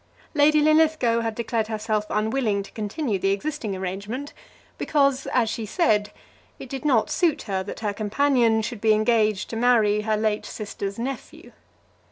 Lady Linlithgow had declared herself unwilling to continue the existing arrangement because, as she said, it did not suit her that her companion should be engaged to marry her late sister's nephew.